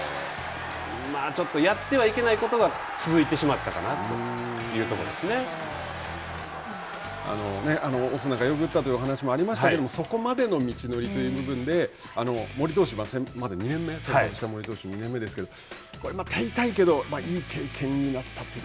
ちょっとやってはいけないことが続いてしまったかなというところオスナがよく打ったというお話もありましたけれども、そこまでの道のりという部分で森投手まだ２年目ですけれども手痛いけどいい経験になったというか。